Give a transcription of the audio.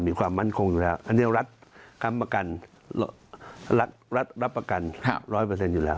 มีความมันมั่นคงอยู่แล้วอันนี้รัฐรัฐรับประกัน๑๐๐อยู่แล้ว